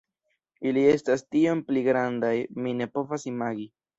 Ili estas tiom pli grandaj, mi ne povas imagi.